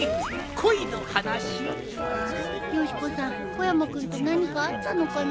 小山君と何かあったのかな。